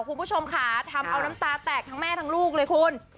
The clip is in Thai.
คุณผู้ชมค่ะทำเอาน้ำตาแตกทั้งแม่ทั้งลูกเลยคุณ